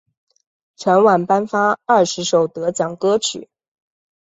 全晚颁发二十首得奖歌曲。